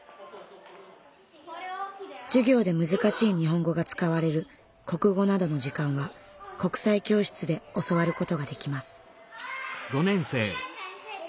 授業で難しい日本語が使われる国語などの時間は国際教室で教わることができます。